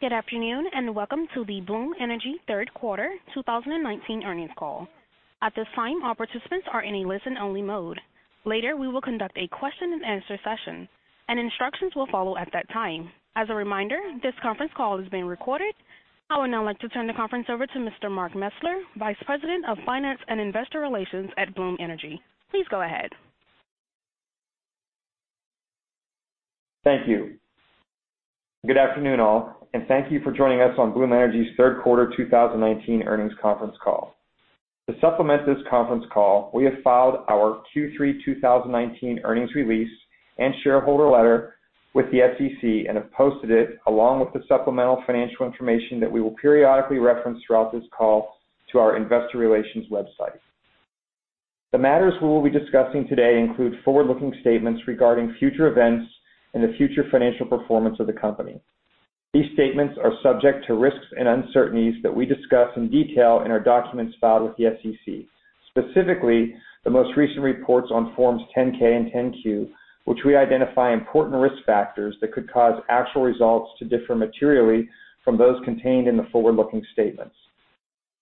Good afternoon, and welcome to the Bloom Energy third quarter 2019 earnings call. At this time, all participants are in a listen-only mode. Later, we will conduct a question and answer session, and instructions will follow at that time. As a reminder, this conference call is being recorded. I would now like to turn the conference over to Mr. Mark Mesler, Vice President of Finance and Investor Relations at Bloom Energy. Please go ahead. Thank you. Good afternoon, all, and thank you for joining us on Bloom Energy's third quarter 2019 earnings conference call. To supplement this conference call, we have filed our Q3 2019 earnings release and shareholder letter with the SEC and have posted it, along with the supplemental financial information that we will periodically reference throughout this call, to our investor relations website. The matters we will be discussing today include forward-looking statements regarding future events and the future financial performance of the company. These statements are subject to risks and uncertainties that we discuss in detail in our documents filed with the SEC, specifically the most recent reports on Forms 10-K and 10-Q, which we identify important risk factors that could cause actual results to differ materially from those contained in the forward-looking statements.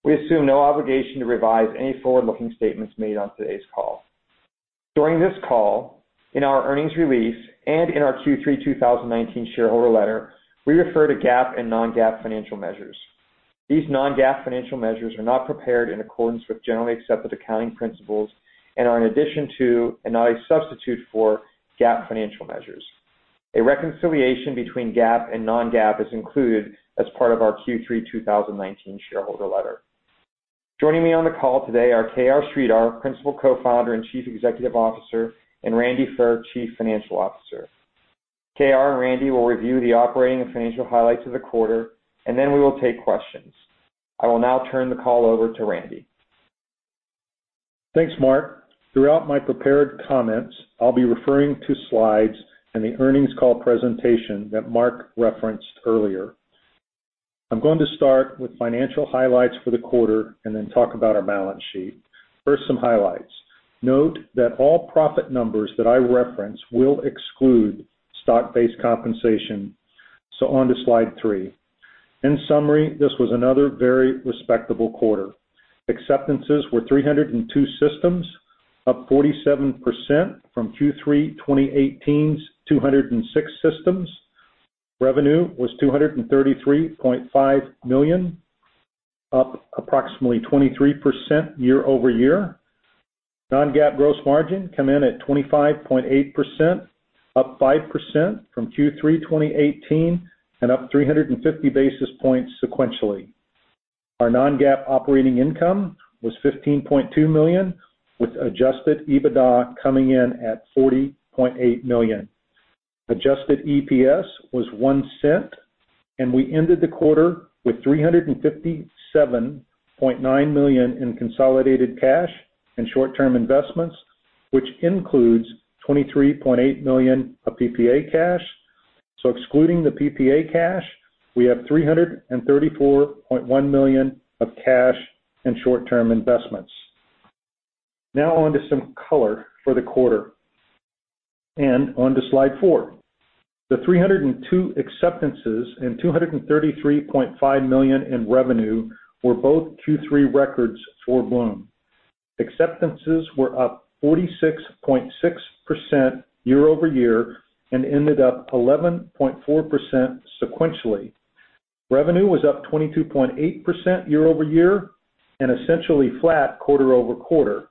We assume no obligation to revise any forward-looking statements made on today's call. During this call, in our earnings release, and in our Q3 2019 shareholder letter, we refer to GAAP and non-GAAP financial measures. These non-GAAP financial measures are not prepared in accordance with generally accepted accounting principles and are in addition to, and not a substitute for, GAAP financial measures. A reconciliation between GAAP and non-GAAP is included as part of our Q3 2019 shareholder letter. Joining me on the call today are KR Sridhar, Principal Co-founder and Chief Executive Officer, and Randy Furr, Chief Financial Officer. KR and Randy will review the operating and financial highlights of the quarter, and then we will take questions. I will now turn the call over to Randy. Thanks, Mark. Throughout my prepared comments, I'll be referring to slides in the earnings call presentation that Mark referenced earlier. I'm going to start with financial highlights for the quarter and then talk about our balance sheet. First, some highlights. Note that all profit numbers that I reference will exclude stock-based compensation. On to slide three. In summary, this was another very respectable quarter. Acceptances were 302 systems, up 47% from Q3 2018's 206 systems. Revenue was $233.5 million, up approximately 23% year over year. Non-GAAP gross margin come in at 25.8%, up 5% from Q3 2018 and up 350 basis points sequentially. Our non-GAAP operating income was $15.2 million, with adjusted EBITDA coming in at $40.8 million. Adjusted EPS was $0.01. We ended the quarter with $357.9 million in consolidated cash and short-term investments, which includes $23.8 million of PPA cash. Excluding the PPA cash, we have $334.1 million of cash and short-term investments. Now on to some color for the quarter, and on to slide four. The 302 acceptances and $233.5 million in revenue were both Q3 records for Bloom. Acceptances were up 46.6% year-over-year and ended up 11.4% sequentially. Revenue was up 22.8% year-over-year and essentially flat quarter-over-quarter.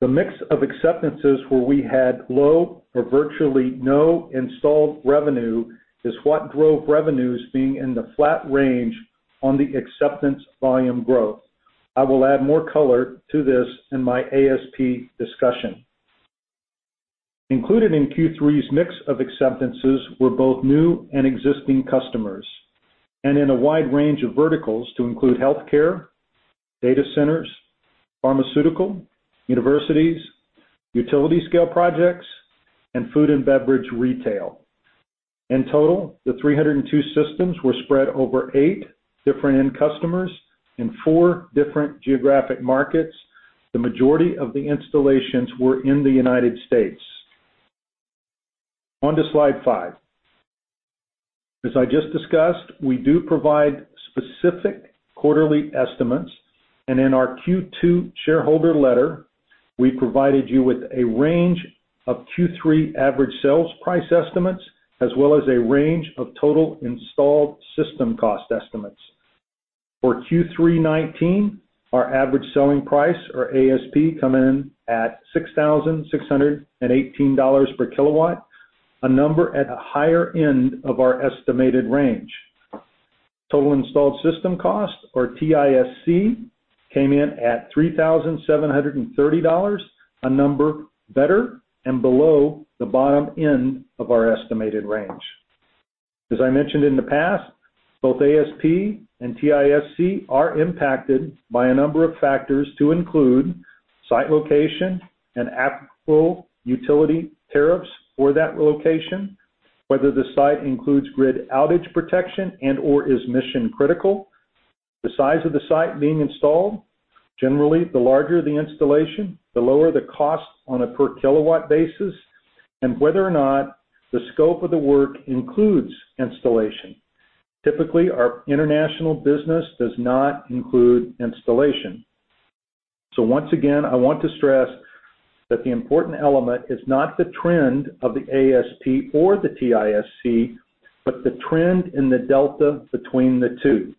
The mix of acceptances where we had low or virtually no installed revenue is what drove revenues being in the flat range on the acceptance volume growth. I will add more color to this in my ASP discussion. Included in Q3's mix of acceptances were both new and existing customers. In a wide range of verticals to include healthcare, data centers, pharmaceutical, universities, utility scale projects, and food and beverage retail. In total, the 302 systems were spread over eight different end customers in four different geographic markets. The majority of the installations were in the U.S. On to slide five. As I just discussed, we do provide specific quarterly estimates. In our Q2 shareholder letter, we provided you with a range of Q3 average sales price estimates, as well as a range of total installed system cost estimates. For Q3'19, our average selling price, or ASP, come in at $6,618 per kilowatt, a number at the higher end of our estimated range. Total installed system cost, or TISC, came in at $3,730, a number better and below the bottom end of our estimated range. As I mentioned in the past, both ASP and TISC are impacted by a number of factors to include site location and applicable utility tariffs for that location, whether the site includes grid outage protection and/or is mission-critical. The size of the site being installed. Generally, the larger the installation, the lower the cost on a per kilowatt basis, and whether or not the scope of the work includes installation. Typically, our international business does not include installation. Once again, I want to stress that the important element is not the trend of the ASP or the TISC, but the trend in the delta between the two.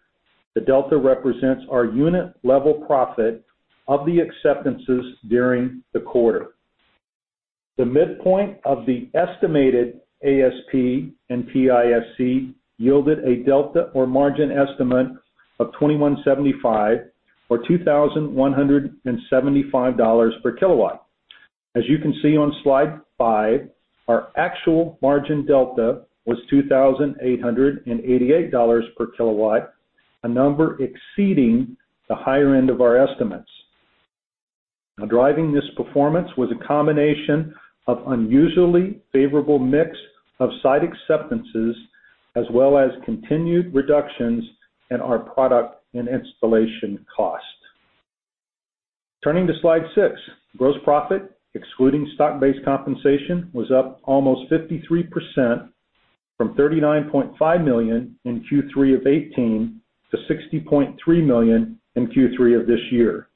The delta represents our unit-level profit of the acceptances during the quarter. The midpoint of the estimated ASP and TISC yielded a delta or margin estimate of $2,175 or $2,175 per kilowatt. As you can see on slide five, our actual margin delta was $2,888 per kilowatt, a number exceeding the higher end of our estimates. Now, driving this performance was a combination of unusually favorable mix of site acceptances, as well as continued reductions in our product and installation cost. Turning to slide six, gross profit, excluding stock-based compensation, was up almost 53% from $39.5 million in Q3 of 2018 to $60.3 million in Q3 of this year.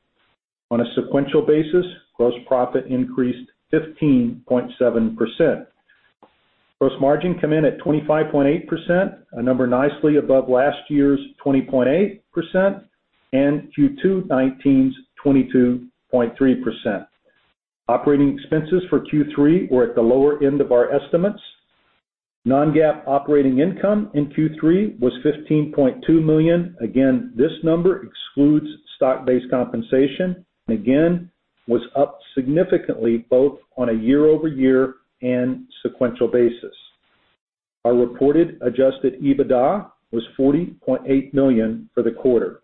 On a sequential basis, gross profit increased 15.7%. Gross margin come in at 25.8%, a number nicely above last year's 20.8% and Q2 2019's 22.3%. Operating expenses for Q3 were at the lower end of our estimates. Non-GAAP operating income in Q3 was $15.2 million. Again, this number excludes stock-based compensation, and again, was up significantly, both on a year-over-year and sequential basis. Our reported adjusted EBITDA was $40.8 million for the quarter.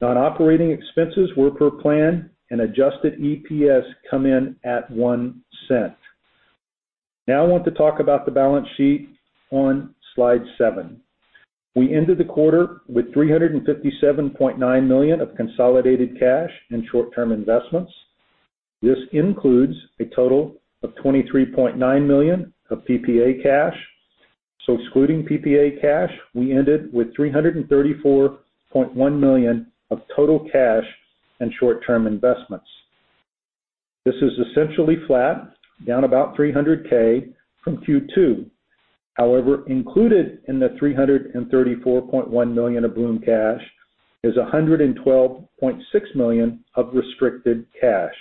Non-operating expenses were per plan and adjusted EPS come in at $0.01. I want to talk about the balance sheet on slide seven. We ended the quarter with $357.9 million of consolidated cash and short-term investments. This includes a total of $23.9 million of PPA cash. Excluding PPA cash, we ended with $334.1 million of total cash and short-term investments. This is essentially flat, down about $300K from Q2. However, included in the $334.1 million of Bloom cash is $112.6 million of restricted cash.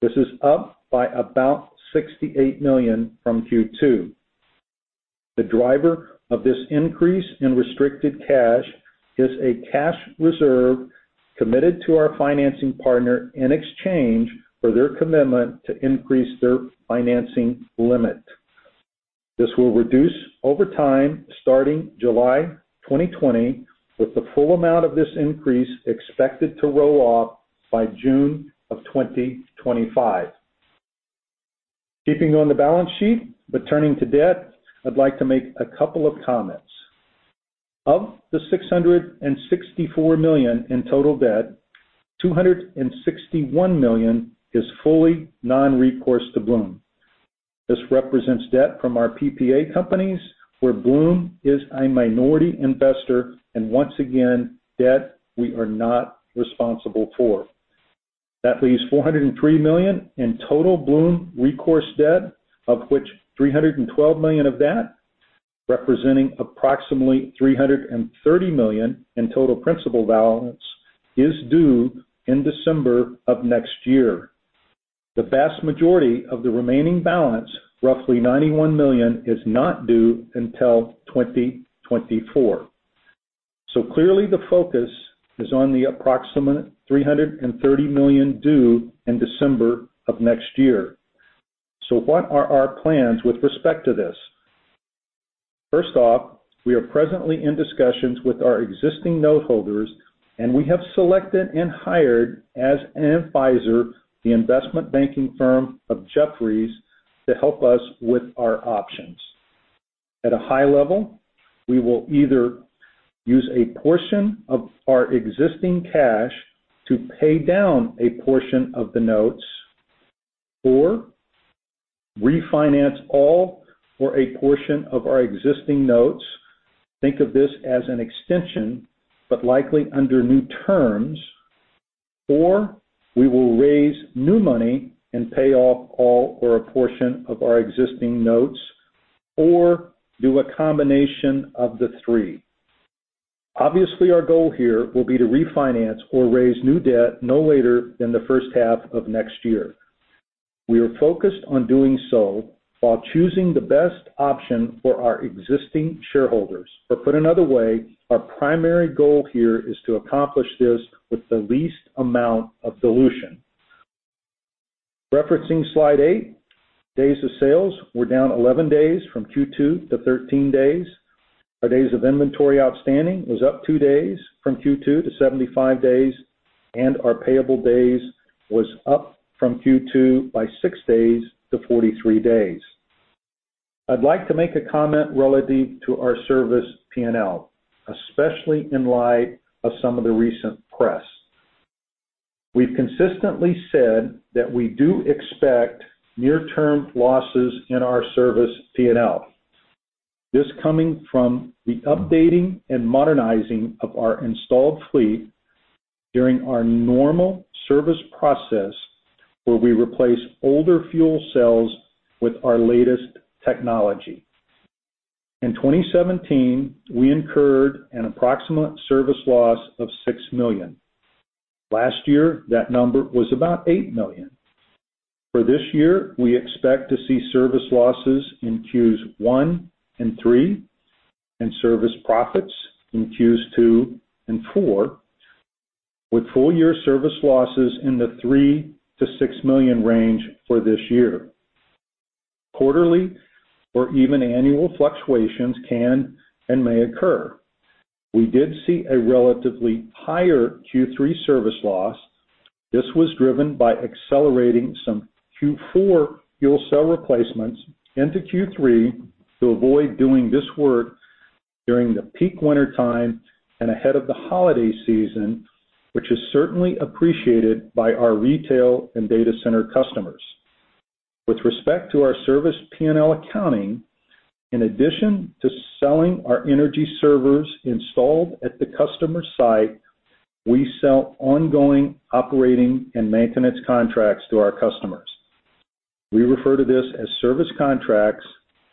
This is up by about $68 million from Q2. The driver of this increase in restricted cash is a cash reserve committed to our financing partner in exchange for their commitment to increase their financing limit. This will reduce over time starting July 2020, with the full amount of this increase expected to roll off by June of 2025. Keeping on the balance sheet, but turning to debt, I'd like to make a couple of comments. Of the $664 million in total debt, $261 million is fully non-recourse to Bloom. This represents debt from our PPA companies where Bloom is a minority investor and once again, debt we are not responsible for. That leaves $403 million in total Bloom recourse debt, of which $312 million of that, representing approximately $330 million in total principal balance, is due in December 2024. The vast majority of the remaining balance, roughly $91 million, is not due until 2024. Clearly the focus is on the approximate $330 million due in December 2024. What are our plans with respect to this? First off, we are presently in discussions with our existing note holders, and we have selected and hired as an advisor the investment banking firm of Jefferies to help us with our options. At a high level, we will either use a portion of our existing cash to pay down a portion of the notes or refinance all or a portion of our existing notes. Think of this as an extension, but likely under new terms. We will raise new money and pay off all or a portion of our existing notes. Do a combination of the three. Obviously, our goal here will be to refinance or raise new debt no later than the first half of next year. We are focused on doing so while choosing the best option for our existing shareholders. Put another way, our primary goal here is to accomplish this with the least amount of dilution. Referencing slide eight, days of sales were down 11 days from Q2 to 13 days. Our days of inventory outstanding was up two days from Q2 to 75 days, and our payable days was up from Q2 by six days to 43 days. I'd like to make a comment relative to our service P&L, especially in light of some of the recent press. We've consistently said that we do expect near-term losses in our service P&L. This coming from the updating and modernizing of our installed fleet during our normal service process, where we replace older fuel cells with our latest technology. In 2017, we incurred an approximate service loss of $6 million. Last year, that number was about $8 million. For this year, we expect to see service losses in Qs one and three, and service profits in Qs two and four, with full-year service losses in the $3 million-$6 million range for this year. Quarterly or even annual fluctuations can and may occur. We did see a relatively higher Q3 service loss. This was driven by accelerating some Q4 fuel cell replacements into Q3 to avoid doing this work during the peak wintertime and ahead of the holiday season, which is certainly appreciated by our retail and data center customers. With respect to our service P&L accounting, in addition to selling our Energy Servers installed at the customer site, we sell ongoing operating and maintenance contracts to our customers. We refer to this as service contracts,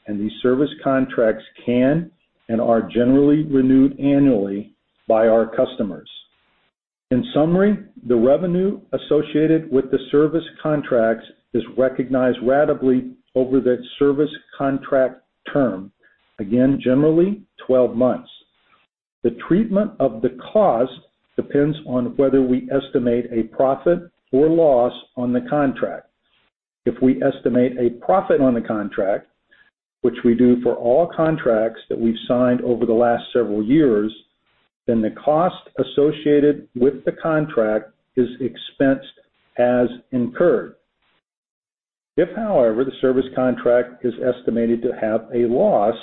and these service contracts can and are generally renewed annually by our customers. In summary, the revenue associated with the service contracts is recognized ratably over that service contract term, again, generally 12 months. The treatment of the cost depends on whether we estimate a profit or loss on the contract. If we estimate a profit on the contract, which we do for all contracts that we've signed over the last several years, then the cost associated with the contract is expensed as incurred. If, however, the service contract is estimated to have a loss,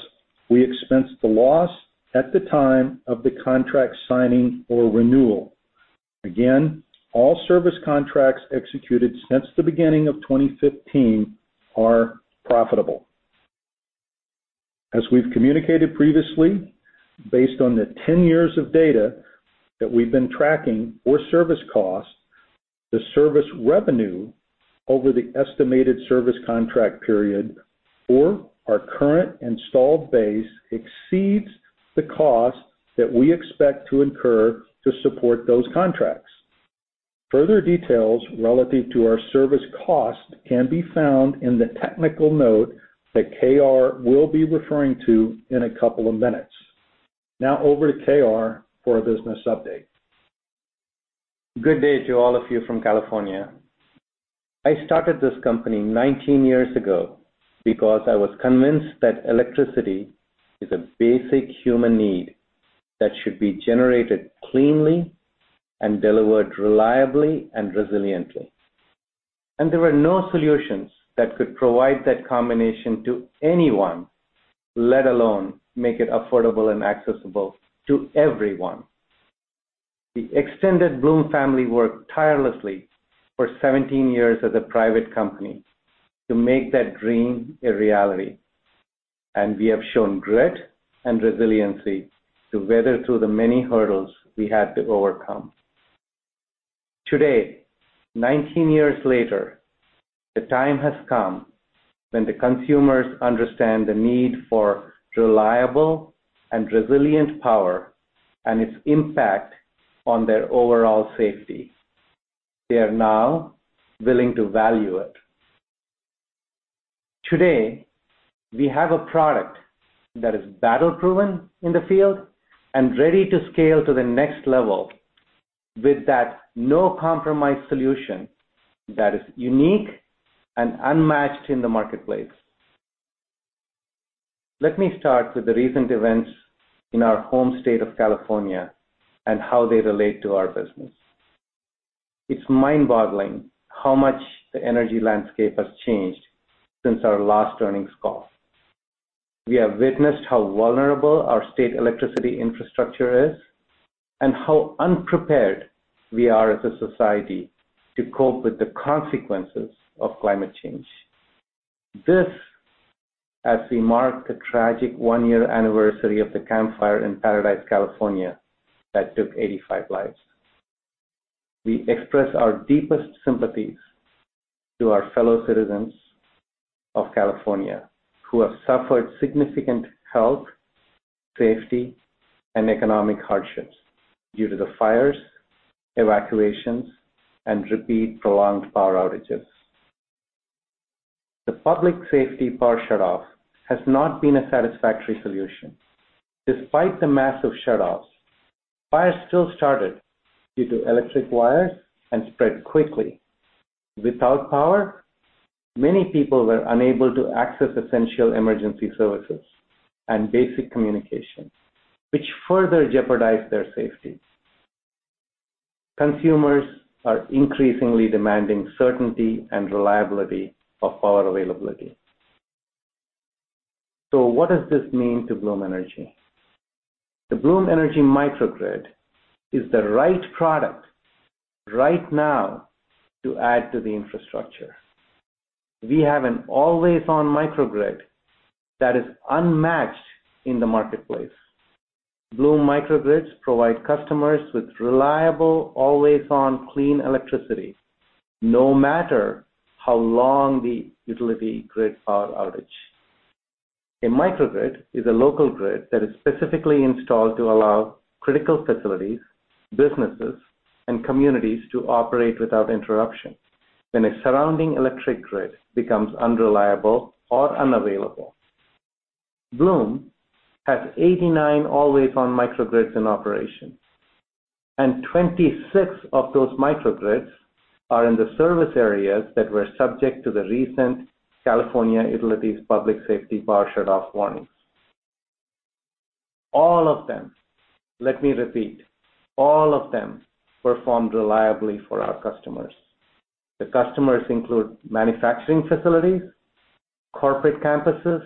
we expense the loss at the time of the contract signing or renewal. Again, all service contracts executed since the beginning of 2015 are profitable. As we've communicated previously, based on the 10 years of data that we've been tracking for service costs, the service revenue over the estimated service contract period for our current installed base exceeds the cost that we expect to incur to support those contracts. Further details relative to our service cost can be found in the technical note that KR will be referring to in a couple of minutes. Over to KR for a business update. Good day to all of you from California. I started this company 19 years ago because I was convinced that electricity is a basic human need that should be generated cleanly and delivered reliably and resiliently. There were no solutions that could provide that combination to anyone, let alone make it affordable and accessible to everyone. The extended Bloom family worked tirelessly for 17 years as a private company to make that dream a reality, and we have shown grit and resiliency to weather through the many hurdles we had to overcome. Today, 19 years later, the time has come when the consumers understand the need for reliable and resilient power and its impact on their overall safety. They are now willing to value it. Today, we have a product that is battle-proven in the field and ready to scale to the next level with that no-compromise solution that is unique and unmatched in the marketplace. Let me start with the recent events in our home state of California and how they relate to our business. It's mind-boggling how much the energy landscape has changed since our last earnings call. We have witnessed how vulnerable our state electricity infrastructure is and how unprepared we are as a society to cope with the consequences of climate change. This as we mark the tragic one-year anniversary of the Camp Fire in Paradise, California, that took 85 lives. We express our deepest sympathies to our fellow citizens of California who have suffered significant health, safety, and economic hardships due to the fires, evacuations, and repeat prolonged power outages. The public safety power shutoff has not been a satisfactory solution. Despite the massive shutoffs, fires still started due to electric wires and spread quickly. Without power, many people were unable to access essential emergency services and basic communications, which further jeopardized their safety. Consumers are increasingly demanding certainty and reliability of power availability. What does this mean to Bloom Energy? The Bloom Energy microgrid is the right product right now to add to the infrastructure. We have an always-on microgrid that is unmatched in the marketplace. Bloom microgrids provide customers with reliable, always-on clean electricity, no matter how long the utility grid power outage. A microgrid is a local grid that is specifically installed to allow critical facilities, businesses, and communities to operate without interruption when a surrounding electric grid becomes unreliable or unavailable. Bloom has 89 always-on microgrids in operation, and 26 of those microgrids are in the service areas that were subject to the recent California utilities public safety power shutoff warnings. All of them, let me repeat, all of them performed reliably for our customers. The customers include manufacturing facilities, corporate campuses,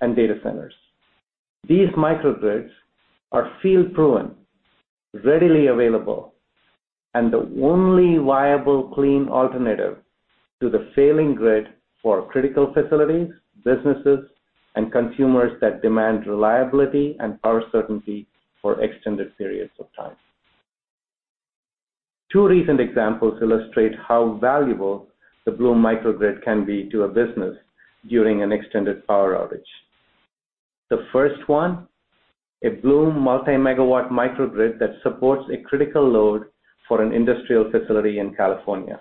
and data centers. These microgrids are field-proven, readily available, and the only viable clean alternative to the failing grid for critical facilities, businesses, and consumers that demand reliability and power certainty for extended periods of time. Two recent examples illustrate how valuable the Bloom microgrid can be to a business during an extended power outage. The first one, a Bloom multi-megawatt microgrid that supports a critical load for an industrial facility in California.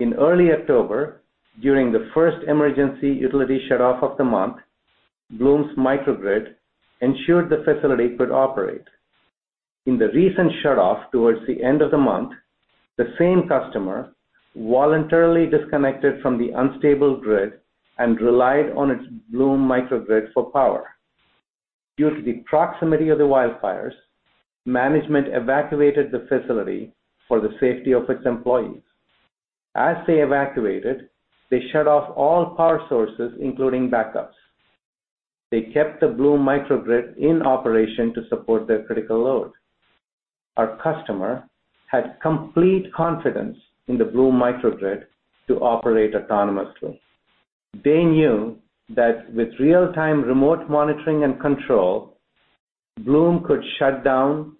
In early October, during the first emergency utility shutoff of the month, Bloom's microgrid ensured the facility could operate. In the recent shutoff towards the end of the month, the same customer voluntarily disconnected from the unstable grid and relied on its Bloom microgrid for power. Due to the proximity of the wildfires, management evacuated the facility for the safety of its employees. As they evacuated, they shut off all power sources, including backups. They kept the Bloom microgrid in operation to support their critical load. Our customer had complete confidence in the Bloom microgrid to operate autonomously. They knew that with real-time remote monitoring and control, Bloom could shut down,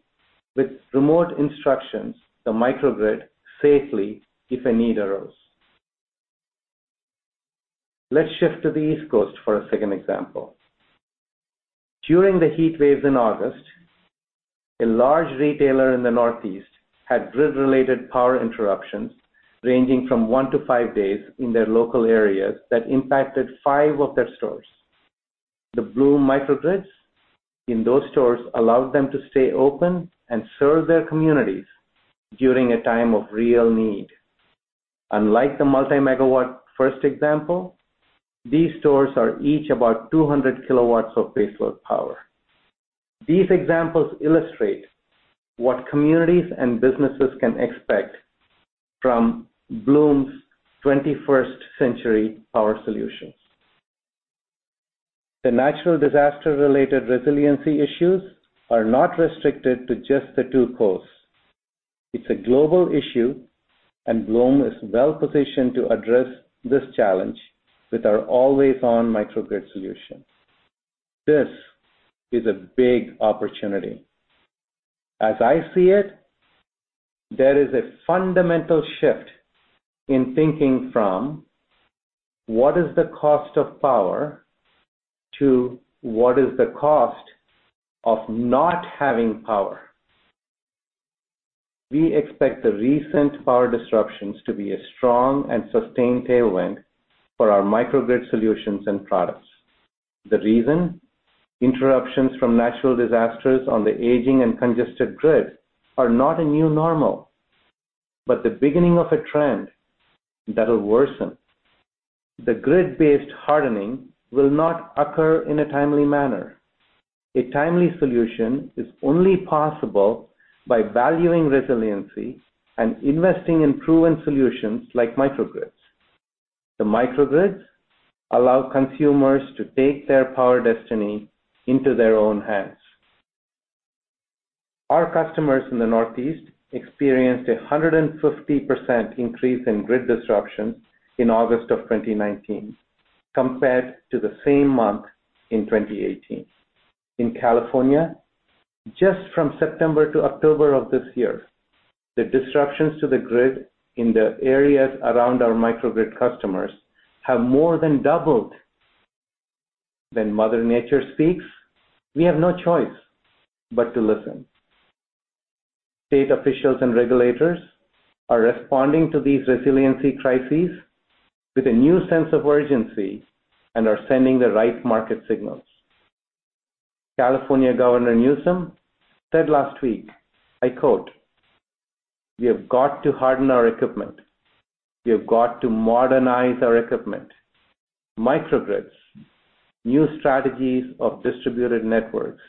with remote instructions, the microgrid safely if a need arose. Let's shift to the East Coast for a second example. During the heat waves in August, a large retailer in the Northeast had grid-related power interruptions ranging from one to five days in their local areas that impacted five of their stores. The Bloom microgrids in those stores allowed them to stay open and serve their communities during a time of real need. Unlike the multi-megawatt first example, these stores are each about 200 kilowatts of baseload power. These examples illustrate what communities and businesses can expect from Bloom's 21st-century power solutions. The natural disaster-related resiliency issues are not restricted to just the two coasts. It's a global issue, and Bloom is well-positioned to address this challenge with our always-on microgrid solution. This is a big opportunity. As I see it, there is a fundamental shift in thinking from, what is the cost of power, to, what is the cost of not having power? We expect the recent power disruptions to be a strong and sustained tailwind for our microgrid solutions and products. The reason? Interruptions from natural disasters on the aging and congested grid are not a new normal, but the beginning of a trend that will worsen. The grid-based hardening will not occur in a timely manner. A timely solution is only possible by valuing resiliency and investing in proven solutions like microgrids. The microgrids allow consumers to take their power destiny into their own hands. Our customers in the Northeast experienced 150% increase in grid disruption in August of 2019 compared to the same month in 2018. In California, just from September to October of this year, the disruptions to the grid in the areas around our microgrid customers have more than doubled. When Mother Nature speaks, we have no choice but to listen. State officials and regulators are responding to these resiliency crises with a new sense of urgency and are sending the right market signals. Governor Newsom said last week, I quote, "We have got to harden our equipment. We have got to modernize our equipment. Microgrids. New strategies of distributed networks.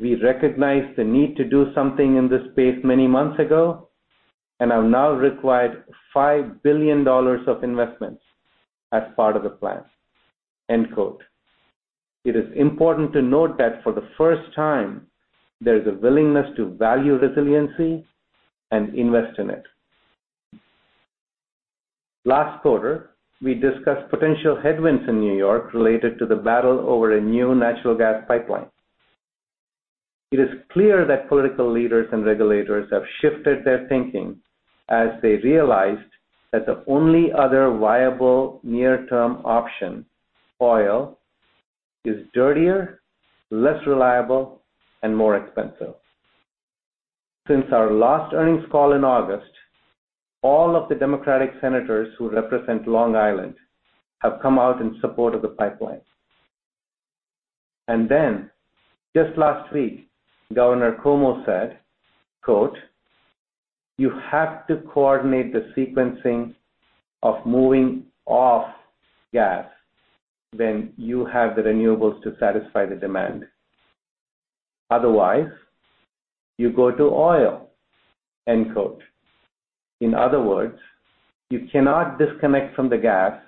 We recognized the need to do something in this space many months ago and have now required $5 billion of investments as part of the plan." End quote. It is important to note that for the first time, there is a willingness to value resiliency and invest in it. Last quarter, we discussed potential headwinds in New York related to the battle over a new natural gas pipeline. It is clear that political leaders and regulators have shifted their thinking as they realized that the only other viable near-term option, oil, is dirtier, less reliable, and more expensive. Since our last earnings call in August, all of the Democratic senators who represent Long Island have come out in support of the pipeline. Just last week, Governor Cuomo said, quote, "You have to coordinate the sequencing of moving off gas when you have the renewables to satisfy the demand. Otherwise, you go to oil." End quote. In other words, you cannot disconnect from the gas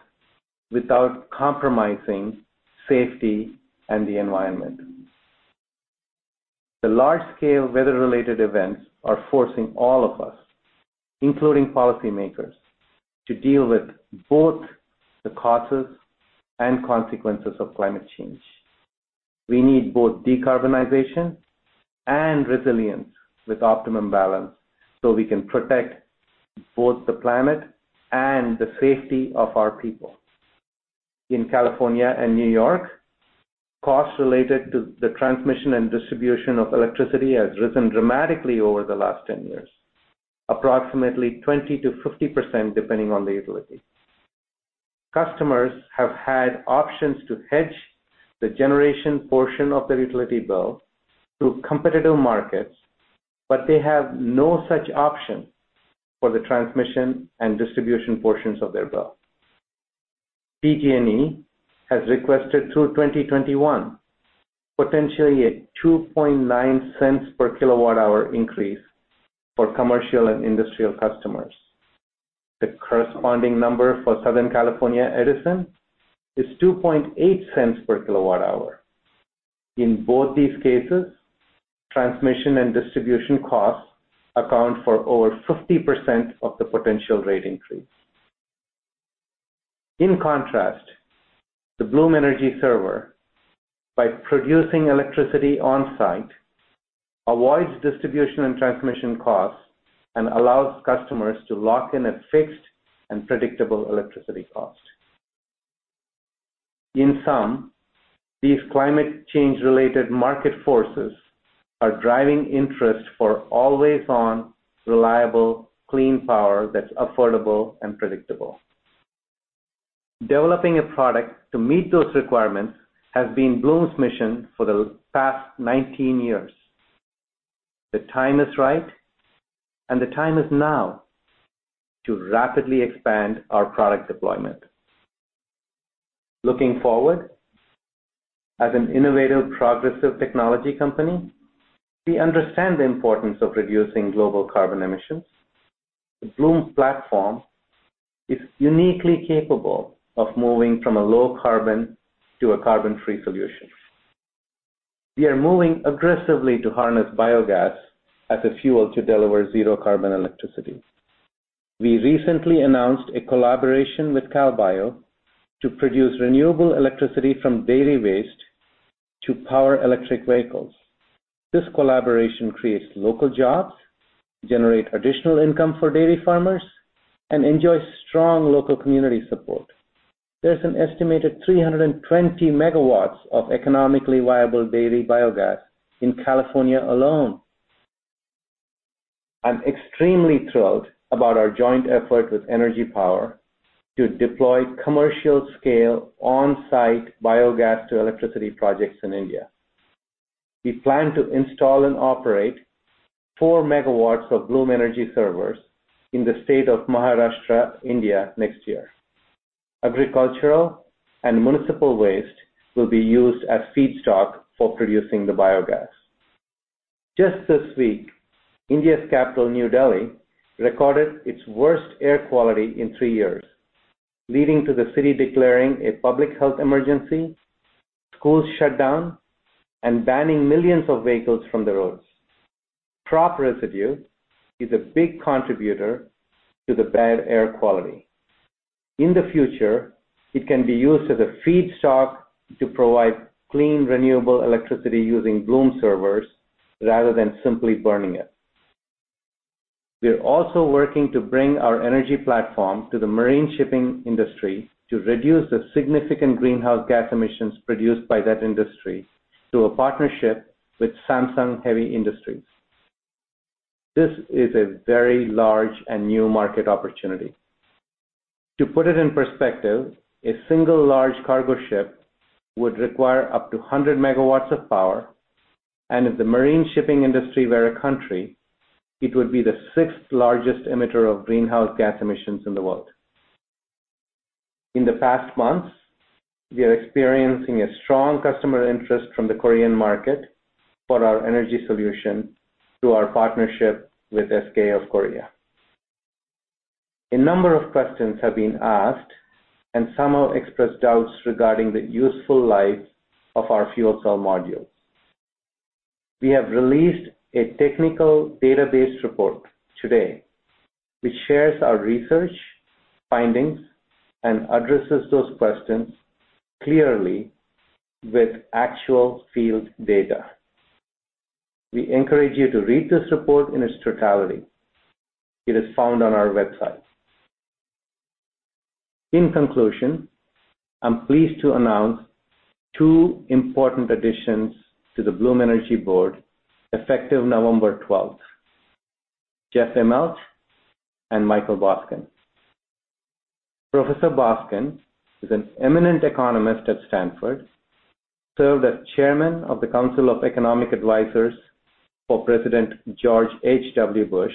without compromising safety and the environment. The large-scale weather-related events are forcing all of us, including policymakers, to deal with both the causes and consequences of climate change. We need both decarbonization and resilience with optimum balance so we can protect both the planet and the safety of our people. In California and New York, costs related to the transmission and distribution of electricity has risen dramatically over the last 10 years, approximately 20%-50%, depending on the utility. Customers have had options to hedge the generation portion of their utility bill through competitive markets, but they have no such option for the transmission and distribution portions of their bill. PG&E has requested through 2021, potentially a $0.029 per kilowatt hour increase for commercial and industrial customers. The corresponding number for Southern California Edison is $0.028 per kilowatt hour. In both these cases, transmission and distribution costs account for over 50% of the potential rate increase. In contrast, the Bloom Energy Server, by producing electricity on-site, avoids distribution and transmission costs and allows customers to lock in a fixed and predictable electricity cost. In sum, these climate change-related market forces are driving interest for always-on, reliable, clean power that's affordable and predictable. Developing a product to meet those requirements has been Bloom's mission for the past 19 years. The time is right and the time is now to rapidly expand our product deployment. Looking forward, as an innovative, progressive technology company, we understand the importance of reducing global carbon emissions. Bloom's platform is uniquely capable of moving from a low carbon to a carbon-free solution. We are moving aggressively to harness biogas as a fuel to deliver zero carbon electricity. We recently announced a collaboration with CalBio to produce renewable electricity from dairy waste to power electric vehicles. This collaboration creates local jobs, generate additional income for dairy farmers, and enjoys strong local community support. There's an estimated 320 megawatts of economically viable dairy biogas in California alone. I'm extremely thrilled about our joint effort with EnergyPower to deploy commercial scale on-site biogas to electricity projects in India. We plan to install and operate 4 megawatts of Bloom Energy Servers in the state of Maharashtra, India, next year. Agricultural and municipal waste will be used as feedstock for producing the biogas. Just this week, India's capital, New Delhi, recorded its worst air quality in three years, leading to the city declaring a public health emergency, schools shut down, and banning millions of vehicles from the roads. Crop residue is a big contributor to the bad air quality. In the future, it can be used as a feedstock to provide clean, renewable electricity using Bloom Energy Servers rather than simply burning it. We're also working to bring our energy platform to the marine shipping industry to reduce the significant greenhouse gas emissions produced by that industry through a partnership with Samsung Heavy Industries. This is a very large and new market opportunity. To put it in perspective, a single large cargo ship would require up to 100 megawatts of power. If the marine shipping industry were a country, it would be the sixth largest emitter of greenhouse gas emissions in the world. In the past months, we are experiencing a strong customer interest from the Korean market for our energy solution through our partnership with SK of Korea. A number of questions have been asked, and some have expressed doubts regarding the useful life of our fuel cell modules. We have released a technical database report today, which shares our research, findings, and addresses those questions clearly with actual field data. We encourage you to read the report in its totality. It is found on our website. In conclusion, I'm pleased to announce two important additions to the Bloom Energy board effective November 12th, Jeff Immelt and Michael Boskin. Professor Boskin is an eminent economist at Stanford, served as chairman of the Council of Economic Advisers for President George H.W. Bush,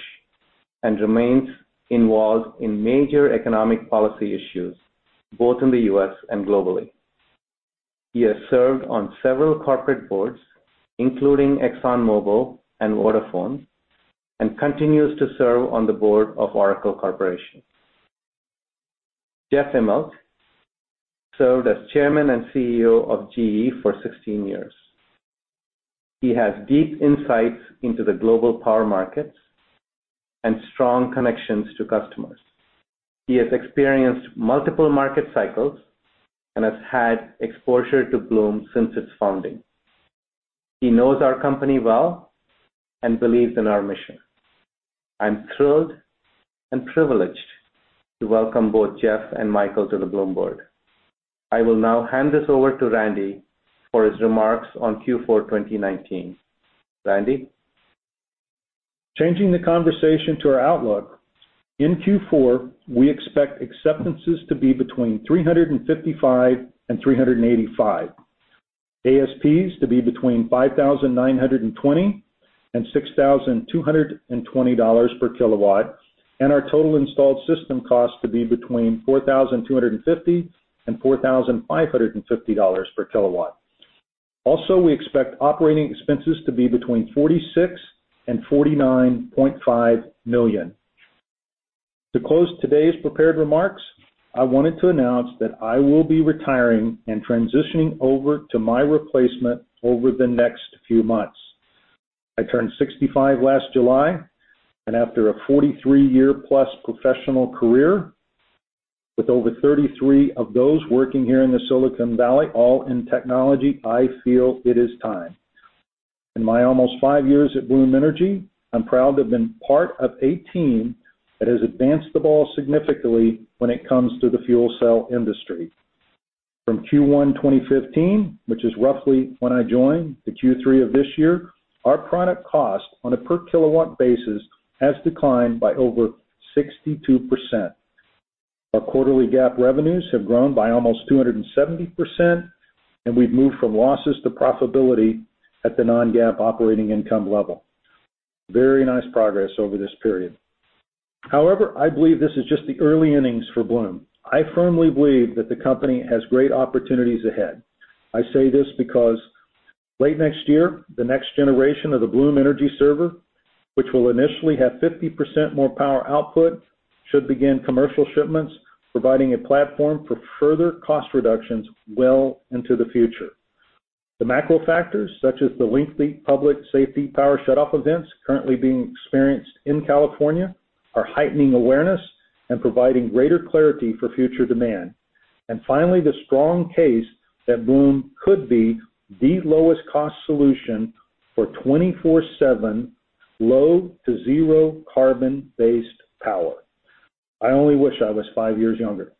and remains involved in major economic policy issues both in the U.S. and globally. He has served on several corporate boards, including ExxonMobil and Vodafone, and continues to serve on the board of Oracle Corporation. Jeff Immelt served as chairman and CEO of GE for 16 years. He has deep insights into the global power markets and strong connections to customers. He has experienced multiple market cycles and has had exposure to Bloom since its founding. He knows our company well and believes in our mission. I'm thrilled and privileged to welcome both Jeff and Michael to the Bloom board. I will now hand this over to Randy for his remarks on Q4 2019. Randy? Changing the conversation to our outlook. In Q4, we expect acceptances to be between 355 and 385, ASPs to be between $5,920 and $6,220 per kilowatt, and our total installed system cost to be between $4,250 and $4,550 per kilowatt. Also, we expect operating expenses to be between $46 million and $49.5 million. To close today's prepared remarks, I wanted to announce that I will be retiring and transitioning over to my replacement over the next few months. I turned 65 last July, and after a 43-year-plus professional career, with over 33 of those working here in the Silicon Valley, all in technology, I feel it is time. In my almost five years at Bloom Energy, I'm proud to have been part of a team that has advanced the ball significantly when it comes to the fuel cell industry. From Q1 2015, which is roughly when I joined, to Q3 of this year, our product cost on a per kilowatt basis has declined by over 62%. Our quarterly GAAP revenues have grown by almost 270%, and we've moved from losses to profitability at the non-GAAP operating income level. Very nice progress over this period. I believe this is just the early innings for Bloom. I firmly believe that the company has great opportunities ahead. I say this because late next year, the next generation of the Bloom Energy Server, which will initially have 50% more power output, should begin commercial shipments, providing a platform for further cost reductions well into the future. The macro factors, such as the lengthy Public Safety Power Shutoff events currently being experienced in California, are heightening awareness and providing greater clarity for future demand. Finally, the strong case that Bloom could be the lowest cost solution for 24/7 low to zero carbon-based power. I only wish I was five years younger.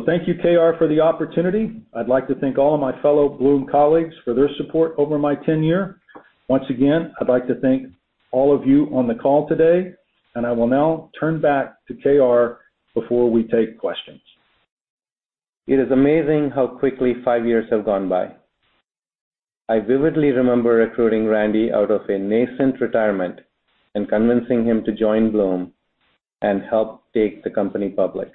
Thank you, KR, for the opportunity. I'd like to thank all of my fellow Bloom colleagues for their support over my tenure. Once again, I'd like to thank all of you on the call today, and I will now turn back to KR before we take questions. It is amazing how quickly five years have gone by. I vividly remember recruiting Randy out of a nascent retirement and convincing him to join Bloom and help take the company public.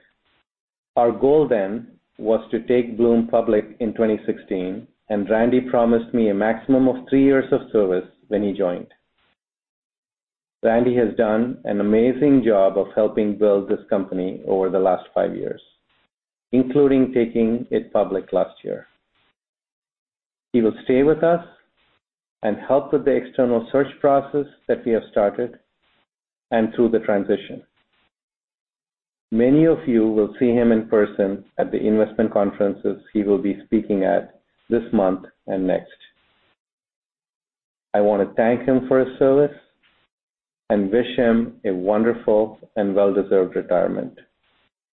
Our goal then was to take Bloom public in 2016, and Randy promised me a maximum of three years of service when he joined. Randy has done an amazing job of helping build this company over the last five years, including taking it public last year. He will stay with us and help with the external search process that we have started and through the transition. Many of you will see him in person at the investment conferences he will be speaking at this month and next. I want to thank him for his service and wish him a wonderful and well-deserved retirement.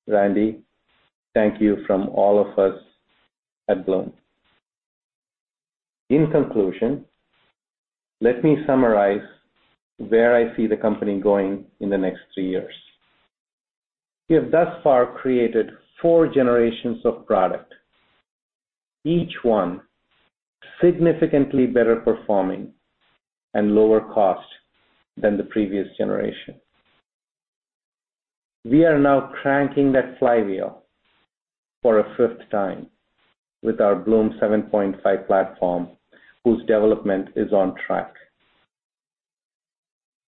Randy, thank you from all of us at Bloom. In conclusion, let me summarize where I see the company going in the next three years. We have thus far created four generations of product, each one significantly better performing and lower cost than the previous generation. We are now cranking that flywheel for a fifth time with our Bloom 7.5 platform, whose development is on track.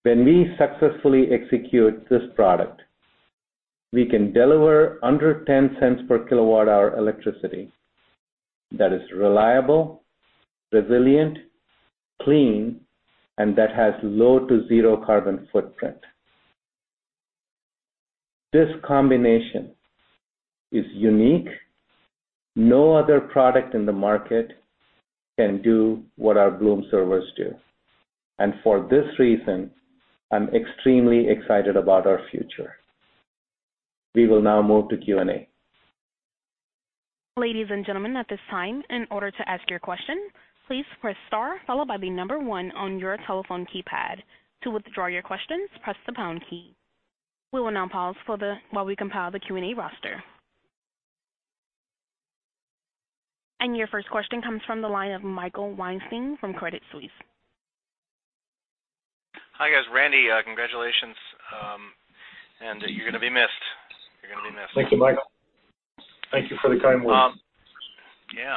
When we successfully execute this product, we can deliver under $0.10 per kWh electricity that is reliable, resilient, clean, and that has low to zero carbon footprint. This combination is unique. No other product in the market can do what our Bloom servers do. For this reason, I'm extremely excited about our future. We will now move to Q&A. Ladies and gentlemen, at this time, in order to ask your question, please press star followed by the number one on your telephone keypad. To withdraw your questions, press the pound key. We will now pause while we compile the Q&A roster. Your first question comes from the line of Michael Weinstein from Credit Suisse. Hi, guys. Randy Furse, congratulations. You're going to be missed. Thank you, Michael. Thank you for the kind words. Yeah.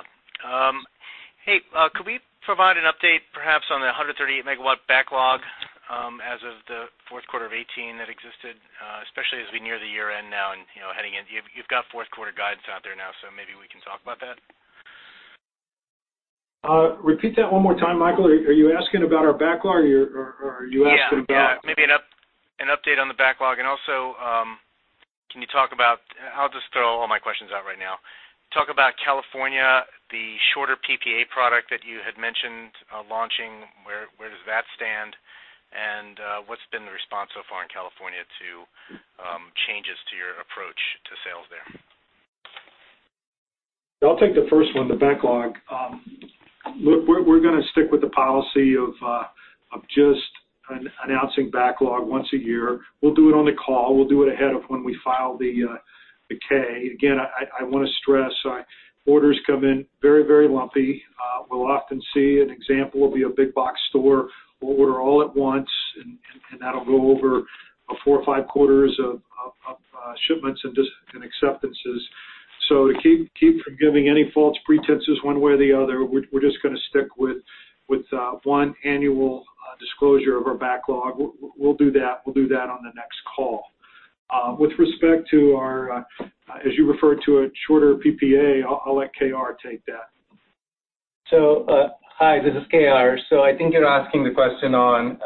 Hey, could we provide an update perhaps on the 138-megawatt backlog, as of the fourth quarter of 2018 that existed, especially as we near the year-end now and heading into you've got fourth quarter guides out there now, so maybe we can talk about that? Repeat that one more time, Michael. Are you asking about our backlog, or are you asking about? Yeah. Maybe an update on the backlog. Also, can you talk about, I'll just throw all my questions out right now. Talk about California, the shorter PPA product that you had mentioned launching, where does that stand? What's been the response so far in California to changes to your approach to sales there? I'll take the first one, the backlog. We're going to stick with the policy of just announcing backlog once a year. We'll do it on the call. We'll do it ahead of when we file the K. I want to stress, our orders come in very lumpy. We'll often see an example of your big box store will order all at once, and that'll go over four or five quarters of shipments and acceptances. To keep from giving any false pretenses one way or the other, we're just going to stick with one annual disclosure of our backlog. We'll do that on the next call. With respect to our, as you referred to it, shorter PPA, I'll let KR take that. Hi, this is KR. I think you're asking the question on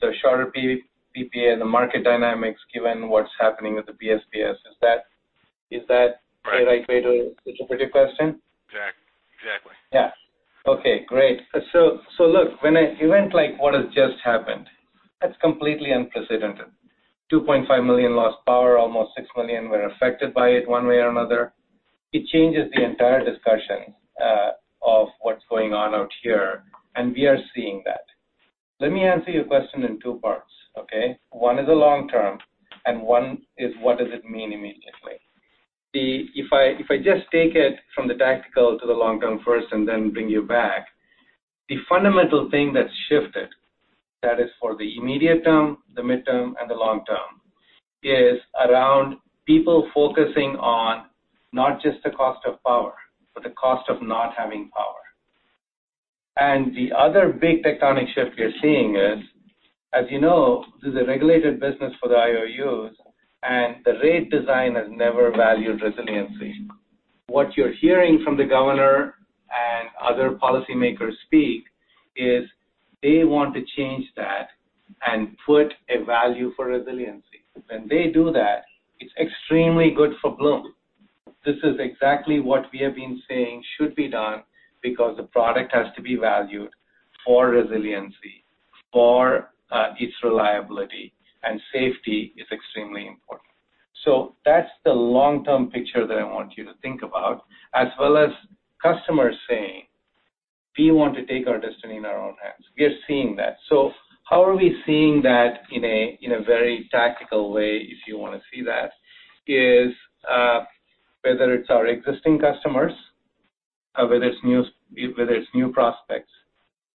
the shorter PPA, the market dynamics, given what's happening with the PSPS. Is that the right way to interpret your question? Exactly. Yeah. Okay, great. Look, an event like what has just happened, that's completely unprecedented. 2.5 million lost power, almost 6 million were affected by it one way or another. It changes the entire discussion of what's going on out here, we are seeing that. Let me answer your question in two parts, okay? One is the long term, one is what does it mean immediately. If I just take it from the tactical to the long term first then bring you back, the fundamental thing that's shifted, that is for the immediate term, the mid-term, the long term, is around people focusing on not just the cost of power, but the cost of not having power. The other big tectonic shift we are seeing is, as you know, this is a regulated business for the IOUs, the rate design has never valued resiliency. What you're hearing from the governor and other policymakers speak is they want to change that and put a value for resiliency. When they do that, it's extremely good for Bloom. This is exactly what we have been saying should be done because the product has to be valued for resiliency, for its reliability, and safety is extremely important. That's the long-term picture that I want you to think about, as well as customers saying, "We want to take our destiny in our own hands." We are seeing that. How are we seeing that in a very tactical way, if you want to see that, is whether it's our existing customers or whether it's new prospects.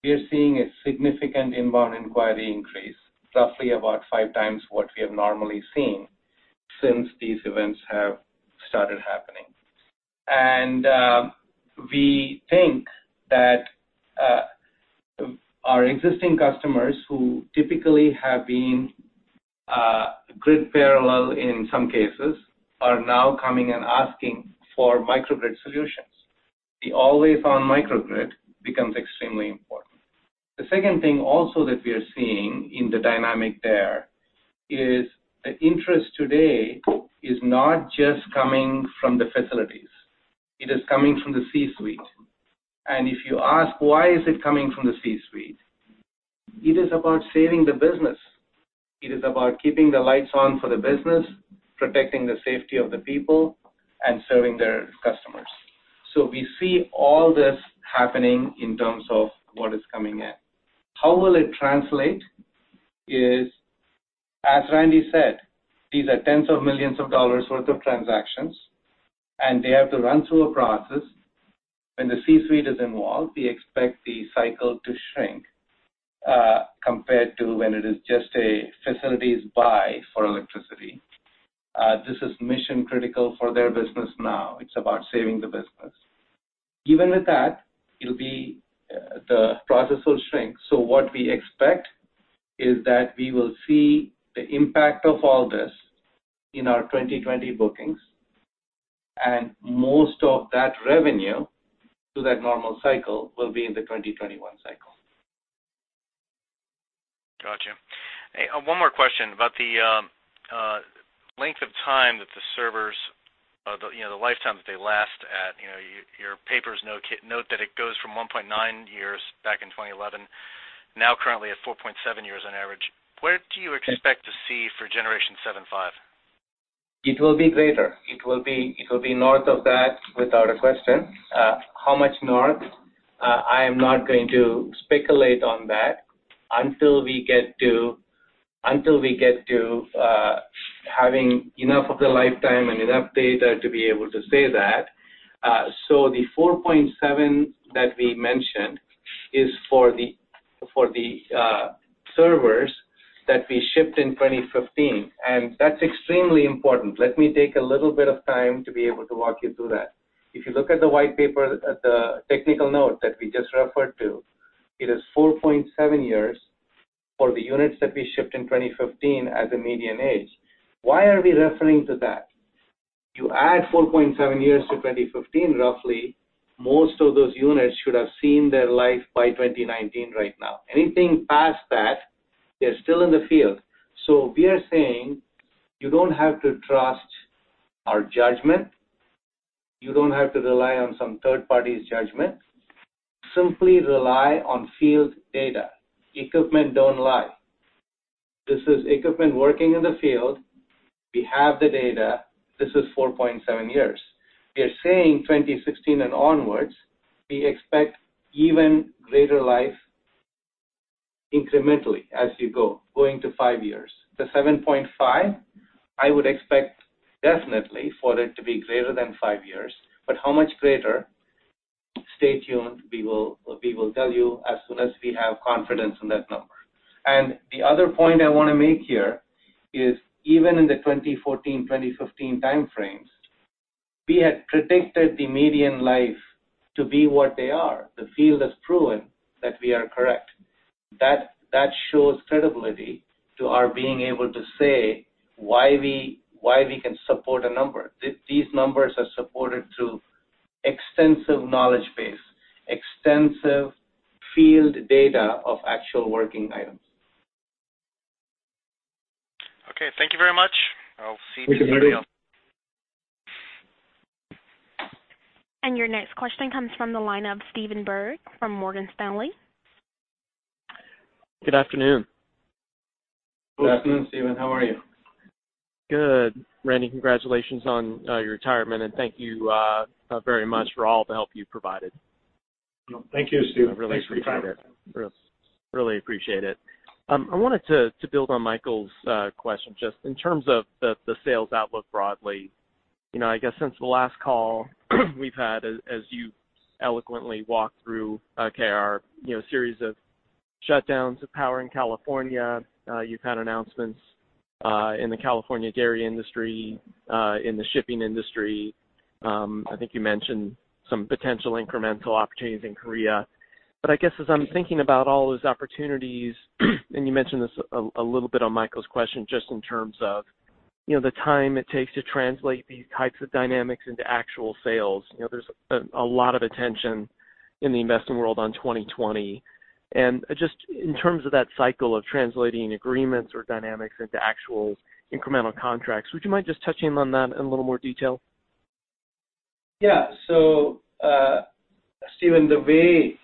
We are seeing a significant inbound inquiry increase, roughly about five times what we have normally seen since these events have started happening. We think that our existing customers who typically have been grid parallel in some cases are now coming and asking for microgrid solutions. The always-on microgrid becomes extremely important. The second thing also that we are seeing in the dynamic there is that interest today is not just coming from the facilities. It is coming from the C-suite. If you ask why is it coming from the C-suite, it is about saving the business. It is about keeping the lights on for the business, protecting the safety of the people, and serving their customers. We see all this happening in terms of what is coming in. How will it translate is, as Randy said, these are tens of millions of dollars worth of transactions, and they have to run through a process. When the C-suite is involved, we expect the cycle to shrink, compared to when it is just a facilities buy for electricity. This is mission-critical for their business now. It's about saving the business. Even with that, the process will shrink. What we expect is that we will see the impact of all this in our 2020 bookings, and most of that revenue to that normal cycle will be in the 2021 cycle. Got you. One more question about the length of time that the Energy Servers, the lifetime that they last at. Your papers note that it goes from 1.9 years back in 2011, now currently at 4.7 years on average. Where do you expect to see for Bloom 7.5? It will be greater. It will be north of that, without a question. How much north? I am not going to speculate on that until we get to having enough of the lifetime and enough data to be able to say that. The 4.7 that we mentioned is for the servers that we shipped in 2015, and that's extremely important. Let me take a little bit of time to be able to walk you through that. If you look at the white paper, at the technical note that we just referred to, it is 4.7 years for the units that we shipped in 2015 as a median age. Why are we referring to that? You add 4.7 years to 2015, roughly, most of those units should have seen their life by 2019 right now. Anything past that, they're still in the field. We are saying you don't have to trust our judgment. You don't have to rely on some third party's judgment. Simply rely on field data. Equipment don't lie. This is equipment working in the field. We have the data. This is 4.7 years. We are saying 2016 and onwards, we expect even greater life incrementally as you go, going to five years. The 7.5, I would expect definitely for it to be greater than five years, but how much greater? Stay tuned. We will tell you as soon as we have confidence in that number. The other point I want to make here is even in the 2014-2015 time frames, we had predicted the median life to be what they are. The field has proven that we are correct. That shows credibility to our being able to say why we can support a number. These numbers are supported through extensive knowledge base, extensive field data of actual working items. Okay. Thank you very much. Thank you, Michael. Your next question comes from the line of Stephen Byrd from Morgan Stanley. Good afternoon. Good afternoon, Stephen. How are you? Good. Randy, congratulations on your retirement, and thank you very much for all the help you provided. Thank you, Steve. I really appreciate it. Really appreciate it. I wanted to build on Michael's question, just in terms of the sales outlook broadly. I guess since the last call we've had, as you eloquently walked through, KR, a series of shutdowns of power in California. You've had announcements in the California dairy industry, in the shipping industry. I think you mentioned some potential incremental opportunities in Korea. I guess as I'm thinking about all those opportunities, and you mentioned this a little bit on Michael's question, just in terms of the time it takes to translate these types of dynamics into actual sales. There's a lot of attention in the investment world on 2020. Just in terms of that cycle of translating agreements or dynamics into actual incremental contracts, would you mind just touching on that in a little more detail? Yeah. Stephen, the way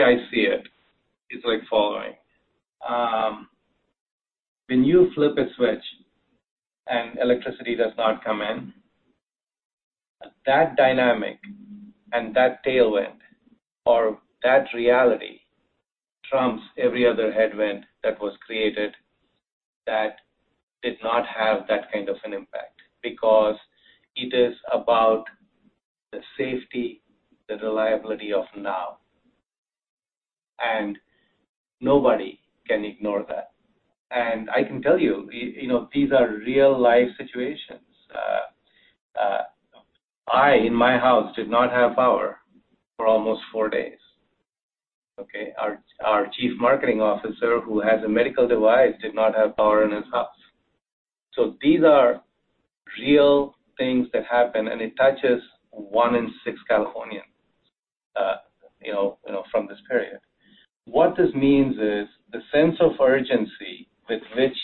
I see it is like following. When you flip a switch and electricity does not come in, that dynamic and that tailwind or that reality trumps every other headwind that was created that did not have that kind of an impact, because it is about the safety, the reliability of now. Nobody can ignore that. I can tell you, these are real-life situations. I, in my house, did not have power for almost four days, okay? Our chief marketing officer, who has a medical device, did not have power in his house. These are real things that happen, and it touches 1 in 6 Californians from this period. What this means is the sense of urgency with which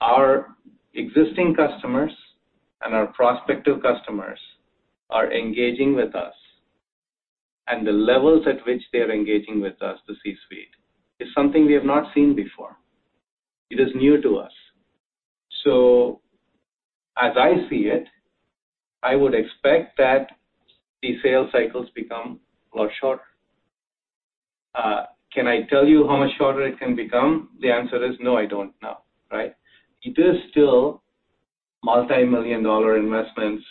our existing customers and our prospective customers are engaging with us. The levels at which they're engaging with us, the C-suite, is something we have not seen before. It is new to us. As I see it, I would expect that the sales cycles become a lot shorter. Can I tell you how much shorter it can become? The answer is no, I don't know. Right? It is still multimillion-dollar investments,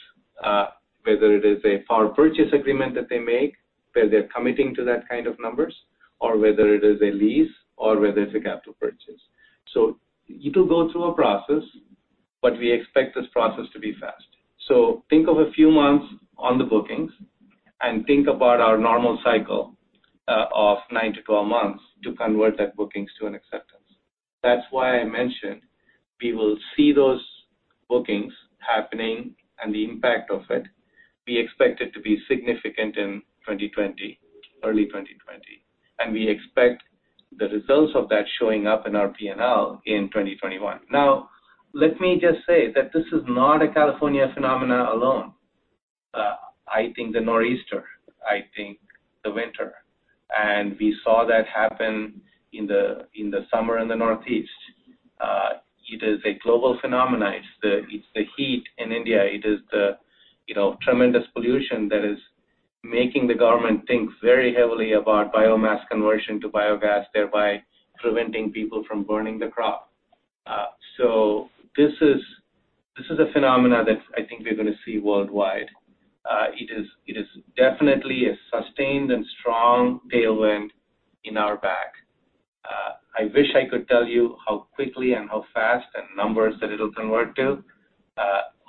whether it is a power purchase agreement that they make, whether they're committing to that kind of numbers, or whether it is a lease, or whether it's a capital purchase. You do go through a process, but we expect this process to be fast. Think of a few months on the bookings, and think about our normal cycle of nine to 12 months to convert that bookings to an acceptance. That's why I mentioned we will see those bookings happening and the impact of it. We expect it to be significant in 2020, early 2020. We expect the results of that showing up in our P&L in 2021. Let me just say that this is not a California phenomenon alone. I think the Nor'easter, I think the winter, and we saw that happen in the summer in the Northeast. It is a global phenomenon. It's the heat in India. It is the tremendous pollution that is making the government think very heavily about biomass conversion to biogas, thereby preventing people from burning the crop. This is a phenomenon that I think we're going to see worldwide. It is definitely a sustained and strong tailwind in our back. I wish I could tell you how quickly and how fast and numbers that it'll convert to.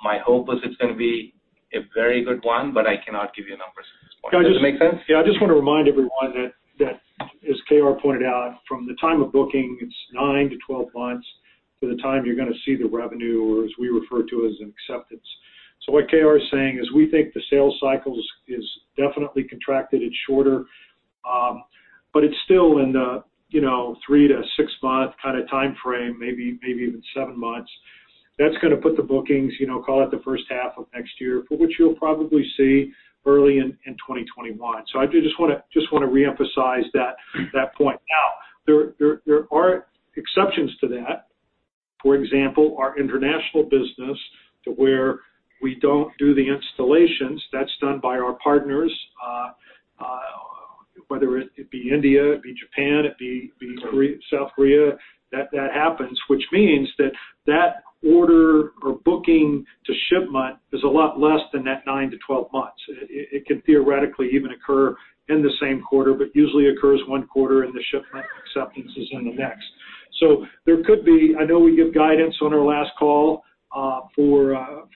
My hope is it's going to be a very good one, but I cannot give you numbers at this point. Does that make sense? Yeah, I just want to remind everyone that, as KR pointed out, from the time of booking, it's nine to 12 months to the time you're going to see the revenue or as we refer to as an acceptance. What KR is saying is we think the sales cycles is definitely contracted. It's shorter. It's still in the three to six-month kind of timeframe, maybe even seven months. That's going to put the bookings, call it the first half of next year, for which you'll probably see early in 2021. I do just want to reemphasize that point. Now, there are exceptions to that. For example, our international business to where we don't do the installations, that's done by our partners. Whether it be India, it be Japan, it be South Korea, that happens, which means that that order or booking to shipment is a lot less than that 9-12 months. It can theoretically even occur in the same quarter, but usually occurs one quarter, and the shipment acceptance is in the next. I know we gave guidance on our last call for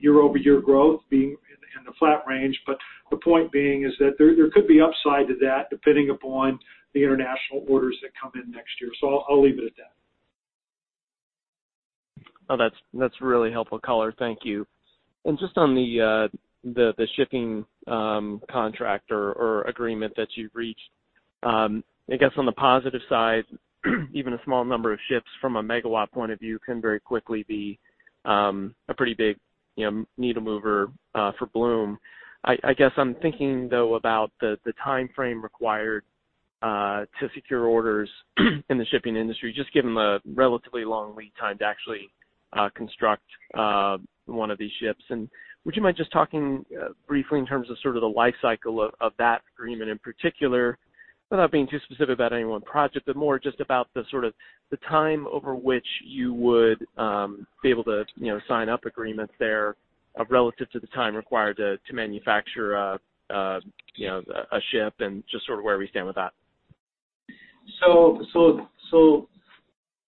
year-over-year growth being in the flat range, but the point being is that there could be upside to that depending upon the international orders that come in next year. I'll leave it at that. Oh, that's really helpful color. Thank you. Just on the shipping contract or agreement that you've reached. I guess on the positive side, even a small number of ships from a megawatt point of view can very quickly be a pretty big needle mover for Bloom. I guess I'm thinking, though, about the timeframe required to secure orders in the shipping industry. Just given the relatively long lead time to actually construct one of these ships. Would you mind just talking briefly in terms of sort of the life cycle of that agreement in particular, without being too specific about any one project, but more just about the sort of the time over which you would be able to sign up agreements there relative to the time required to manufacture a ship and just sort of where we stand with that.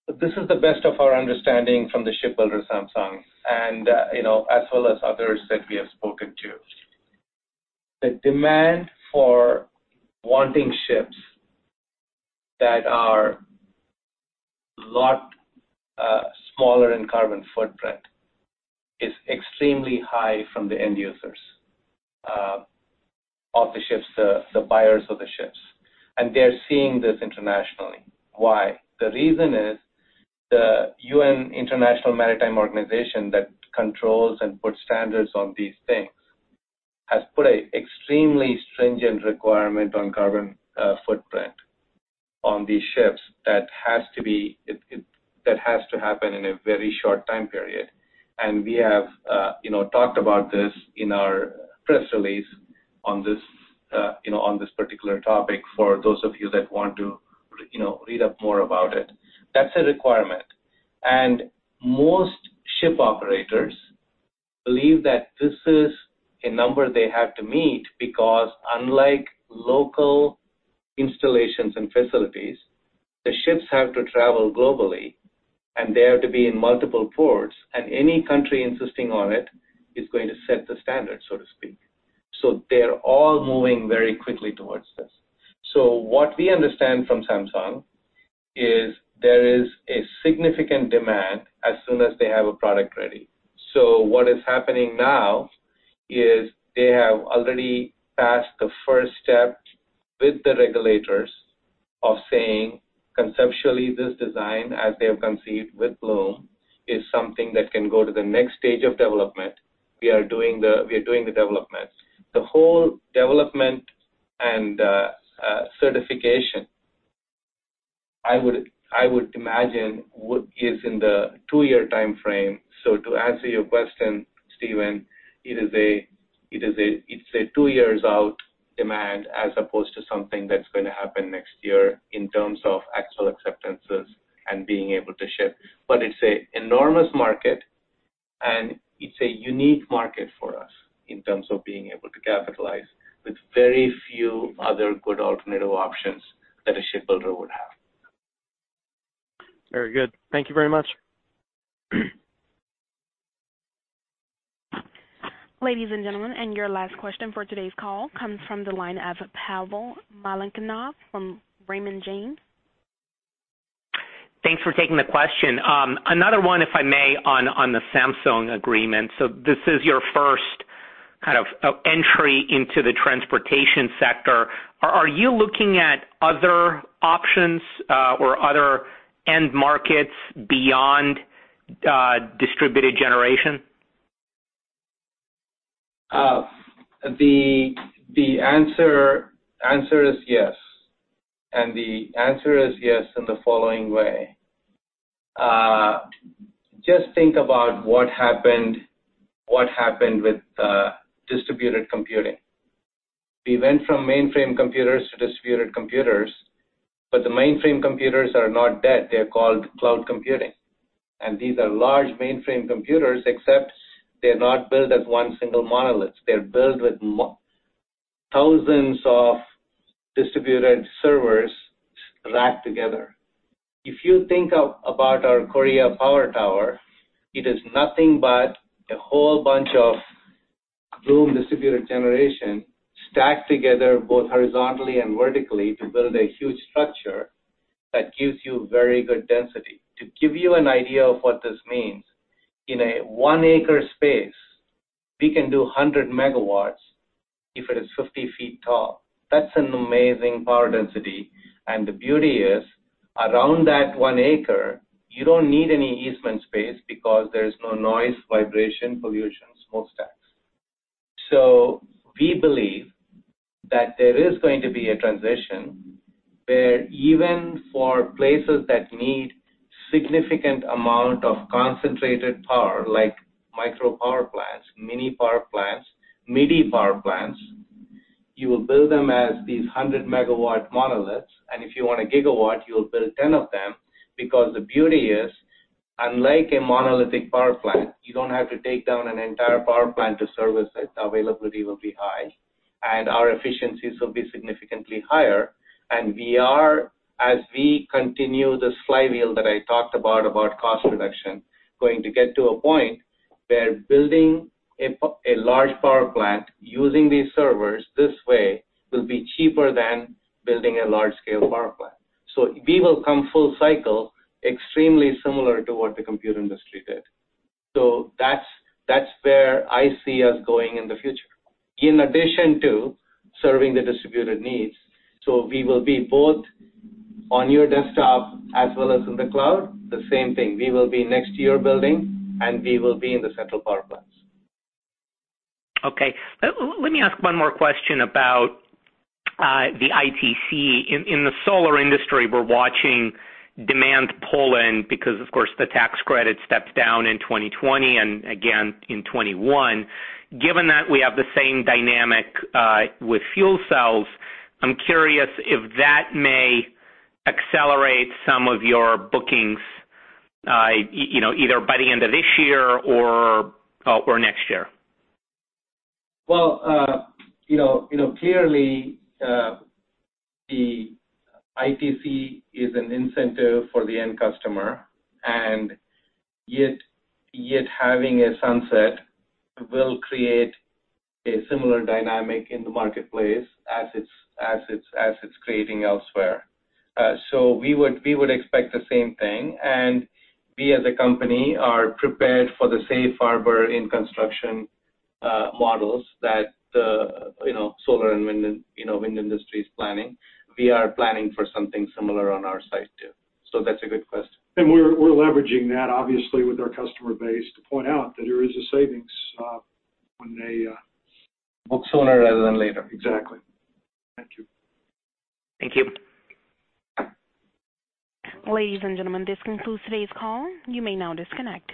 This is the best of our understanding from the shipbuilder, Samsung, and as well as others that we have spoken to. The demand for wanting ships that are lot smaller in carbon footprint is extremely high from the end users of the ships, the buyers of the ships. They're seeing this internationally. Why? The reason is the UN International Maritime Organization that controls and puts standards on these things has put a extremely stringent requirement on carbon footprint on these ships that has to happen in a very short time period. We have talked about this in our press release on this particular topic for those of you that want to read up more about it. That's a requirement. Most ship operators believe that this is a number they have to meet because unlike local installations and facilities, the ships have to travel globally, and they have to be in multiple ports, and any country insisting on it is going to set the standard, so to speak. They're all moving very quickly towards this. What we understand from Samsung is there is a significant demand as soon as they have a product ready. What is happening now is they have already passed the first step with the regulators of saying, conceptually, this design, as they have conceived with Bloom, is something that can go to the next stage of development. We are doing the development. The whole development and certification, I would imagine, is in the two-year timeframe. To answer your question, Stephen, it's a two years out demand as opposed to something that's going to happen next year in terms of actual acceptances and being able to ship. It's a enormous market, and it's a unique market for us in terms of being able to capitalize with very few other good alternative options that a shipbuilder would have. Very good. Thank you very much. Ladies and gentlemen, your last question for today's call comes from the line of Pavel Molchanov from Raymond James. Thanks for taking the question. Another one, if I may, on the Samsung agreement. This is your first kind of entry into the transportation sector. Are you looking at other options, or other end markets beyond distributed generation? The answer is yes. The answer is yes in the following way. Just think about what happened with distributed computing. We went from mainframe computers to distributed computers, but the mainframe computers are not dead. They are called cloud computing. These are large mainframe computers, except they're not built as one single monolith. They're built with thousands of distributed servers racked together. If you think about our Korea Power Tower, it is nothing but a whole bunch of Bloom distributed generation stacked together, both horizontally and vertically, to build a huge structure that gives you very good density. To give you an idea of what this means, in a one-acre space, we can do 100 MW if it is 50 feet tall. That's an amazing power density. The beauty is, around that one acre, you don't need any easement space because there is no noise, vibration, pollution, smokestacks. We believe that there is going to be a transition where even for places that need significant amount of concentrated power, like micro power plants, mini power plants, midi power plants, you will build them as these 100 MW monoliths. If you want a GW, you'll build 10 of them. The beauty is, unlike a monolithic power plant, you don't have to take down an entire power plant to service it. Availability will be high, and our efficiencies will be significantly higher. We are, as we continue this flywheel that I talked about cost reduction, going to get to a point where building a large power plant using these servers this way will be cheaper than building a large scale power plant. We will come full cycle extremely similar to what the computer industry did. That's where I see us going in the future, in addition to serving the distributed needs. We will be both on your desktop as well as in the cloud, the same thing. We will be next to your building, and we will be in the central power plants. Okay. Let me ask one more question about the ITC. In the solar industry, we're watching demand pull in because, of course, the tax credit steps down in 2020 and again in 2021. Given that we have the same dynamic, with fuel cells, I'm curious if that may accelerate some of your bookings, either by the end of this year or next year. Well, clearly, the ITC is an incentive for the end customer. Having a sunset will create a similar dynamic in the marketplace as it's creating elsewhere. We would expect the same thing, and we as a company are prepared for the safe harbor in construction models that solar and wind industry is planning. We are planning for something similar on our side, too. That's a good question. We're leveraging that obviously with our customer base to point out that there is a savings, when they. Book sooner rather than later. Exactly. Thank you. Thank you. Ladies and gentlemen, this concludes today's call. You may now disconnect.